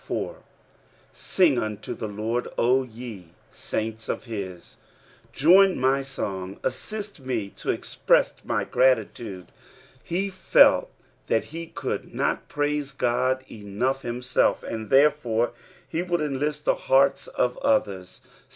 4. " SlTig unto the Litrd, O ye taint* of hU." " Jnin my gong ; nssist me to eiprcsa my gratitude." He felt that he coutil not praise Uod enough himself, and therefore lie woald enlist t lie hearts of others.